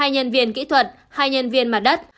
hai nhân viên kỹ thuật hai nhân viên mặt đất